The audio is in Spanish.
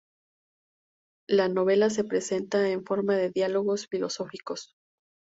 La novela se presenta en forma de diálogos filosóficos.